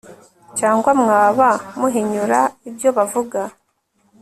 cyangwa mwaba muhinyura ibyo bavuga